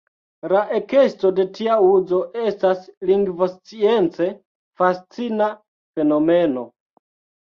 La ekesto de tia uzo estas lingvoscience fascina fenomeno.